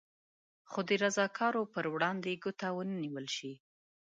خو د رضاکارو پر وړاندې ګوته ونه نېول شي.